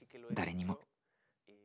誰にも。